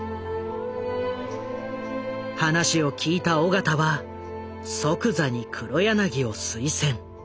話を聞いた緒方は即座に黒柳を推薦。